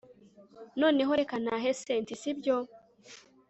noneho reka ntahe cyntisibyo